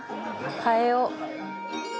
替えよう。